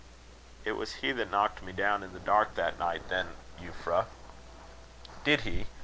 "It was he that knocked me down in the dark that night then, Euphra." "Did he?